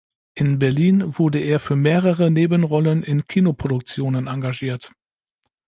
In Berlin wurde er für mehrere Nebenrollen in Kinoproduktionen engagiert.